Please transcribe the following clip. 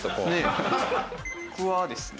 僕はですね